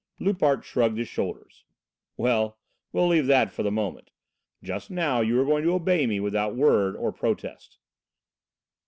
Loupart shrugged his shoulders. "Well, we'll leave that for the moment. Just now you are going to obey me without a word or protest."